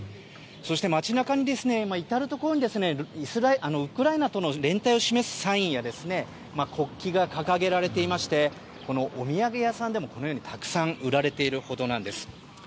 そして、街中の至るところにウクライナとの連帯を示すサインや国旗が掲げられていましてお土産屋さんでもこのようにたくさん売られているほどなんです。